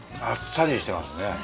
あっさりしてますね。